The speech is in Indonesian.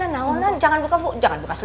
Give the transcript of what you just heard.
nau nani jangan berkakuk jangan berkakuk